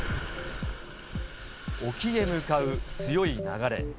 沖へ向かう強い流れ。